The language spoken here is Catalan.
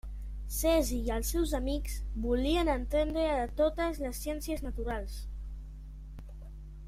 Cesi i els seus amics volien entendre de totes les ciències naturals.